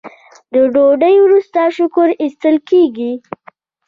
د ډوډۍ وروسته شکر ایستل کیږي.